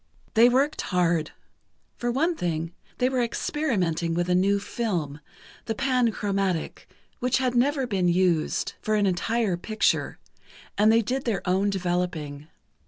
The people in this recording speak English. They worked hard. For one thing, they were experimenting with a new film, the panchromatic, which had never been used for an entire picture, and they did their own developing.